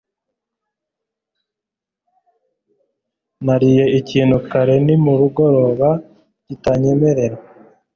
Nariye ikintu kare nimugoroba kitanyemerera.